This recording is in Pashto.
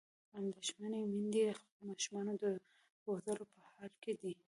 اندېښمنې میندې د خپلو ماشومانو د روزلو په حال کې دي.